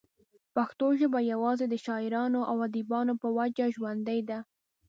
پښتو ژبه يوازې دَشاعرانو او اديبانو پۀ وجه ژوندۍ ده